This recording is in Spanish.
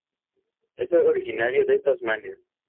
Es originario de Tasmania.